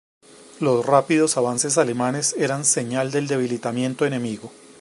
Los rápidos avances alemanes eran señal del debilitamiento enemigo.